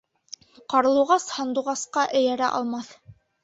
Ҡарлуғас һандуғасҡа эйәрә алмаҫ.